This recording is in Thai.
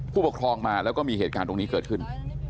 ผู้ปกครองมาแล้วก็มีเหตุการณ์ตรงนี้เกิดขึ้น